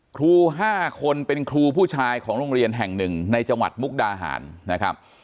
ครู๕คนเป็นครูผู้ชายของโรงเรียนแห่งหนึ่งในจังหวัดมุกดาหารนะครับ